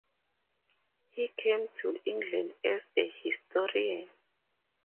He came to England as a historian.